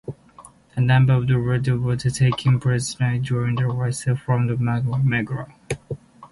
A number of rebels were taken prisoner during the retreat from Magomero.